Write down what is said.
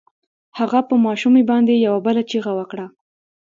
هغه په ماشومې باندې يوه بله چيغه وکړه.